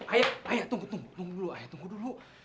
ayah ayah tunggu tunggu dulu